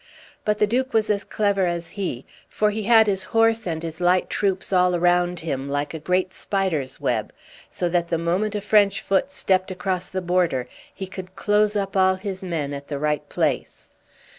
But the Duke was as clever as he, for he had his horse and his light troops all round him, like a great spider's web, so that the moment a French foot stepped across the border he could close up all his men at the right place.